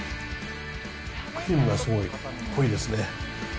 クリームがすごい濃いですね。